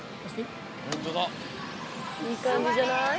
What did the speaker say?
いいかんじじゃない？